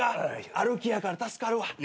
歩きやから助かるわ。